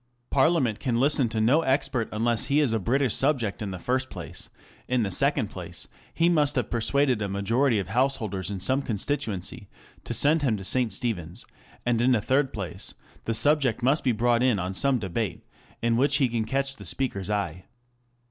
Parliament can listen to no expert unless he is a British subject in the first place ; in the second place, he must have persuaded a majority of householders in some constituency to send him to St. Stephen's ; and in the third place, the subject must be brought on in some debate in which he can catch the Speaker's eye.